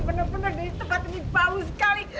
bener bener tempat ini bau sekali